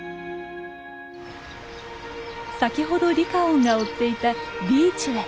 先ほどリカオンが追っていたリーチュエ。